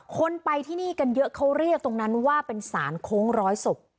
คนไปที่นี่กันเยอะเขาเรียกตรงนั้นว่าเป็นสารโค้งร้อยศพ